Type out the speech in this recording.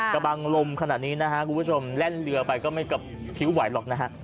กระบังลมขนาดนี้นะฮะคุณผู้ชมแล่นเรือไปก็ไม่กับผิวไหวหรอกนะฮะ